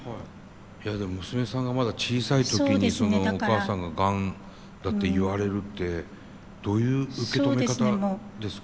いやでも娘さんがまだ小さい時にお母さんがガンだって言われるってどういう受け止め方ですか？